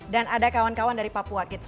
dan ada kawan kawan dari papua kids